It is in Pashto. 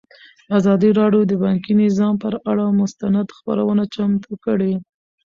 ازادي راډیو د بانکي نظام پر اړه مستند خپرونه چمتو کړې.